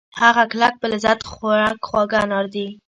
هغه کلک په لذت ډک خواږه انار دي